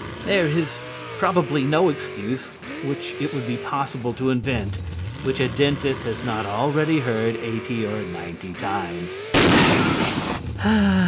There is probably no excuse which it would be possible to invent which a dentist has not already heard eighty or ninety times.